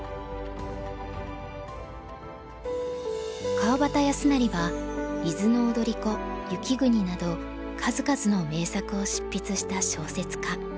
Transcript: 川端康成は「伊豆の踊子」「雪国」など数々の名作を執筆した小説家。